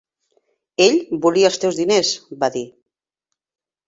"Ell volia els teus diners", va dir.